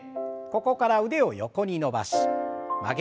ここから腕を横に伸ばし曲げて。